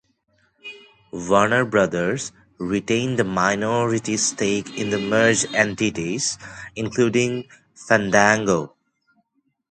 Warner Brothers retained a minority stake in the merged entities, including Fandango.